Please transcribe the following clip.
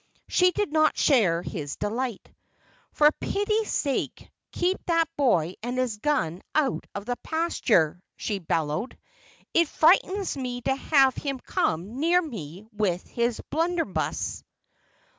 She did not share his delight. "For pity's sake, keep that boy and his gun out of the pasture!" she bellowed. "It frightens me to have him come near me with his blunderbuss."